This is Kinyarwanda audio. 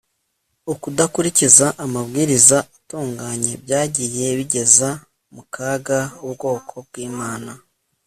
ukudakurikiza amabwiriza atunganye byagiye bigeza mu kaga ubwoko bw'imana